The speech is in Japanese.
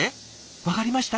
分かりました？